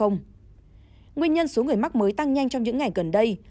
nguyên nhân số người mắc mới tăng nhanh trong những ngày gần đây